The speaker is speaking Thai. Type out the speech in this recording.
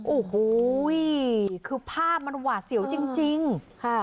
โอ้โหคือภาพมันหวาดเสียวจริงจริงค่ะ